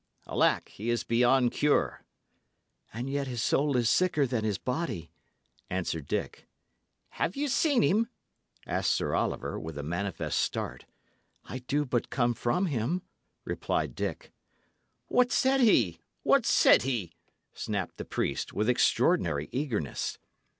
Alack, he is beyond cure." "And yet his soul is sicker than his body," answered Dick. "Have ye seen him?" asked Sir Oliver, with a manifest start. "I do but come from him," replied Dick. "What said he? what said he?" snapped the priest, with extraordinary eagerness.